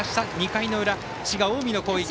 ２回の裏、滋賀・近江の攻撃。